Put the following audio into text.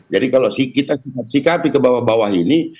jadi kalau kita sikat sikat ke bawah bawah ini